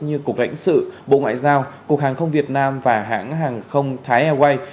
như cục lãnh sự bộ ngoại giao cục hàng không việt nam và hãng hàng không thái airways